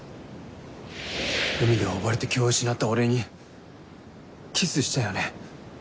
海で溺れて気を失った俺にキスしたよね？